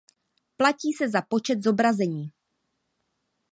Platí se za počet zobrazení.